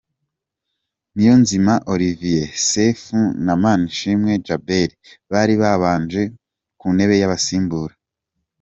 Niyonzima Olivier Sefu na Manishimwe Djabel bari babanje ku ntebe y’abasimbura.